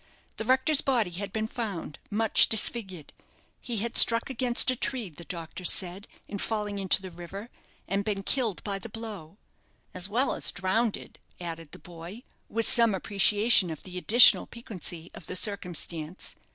The rector's body had been found, much disfigured; he had struck against a tree, the doctors said, in falling into the river, and been killed by the blow, "as well as drownded," added the boy, with some appreciation of the additional piquancy of the circumstance.